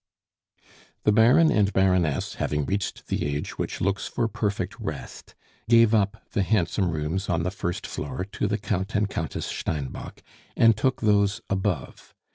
The Baron and Baroness, having reached the age which looks for perfect rest, gave up the handsome rooms on the first floor to the Count and Countess Steinbock, and took those above.